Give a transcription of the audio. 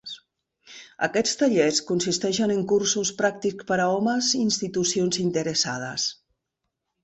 Aquests tallers consisteixen en cursos pràctics per a homes i institucions interessades.